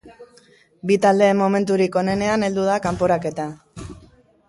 Bi taldeen momenturik onenean heldu da kanporaketa.